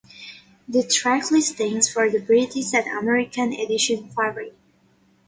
The track listings for the British and American editions vary.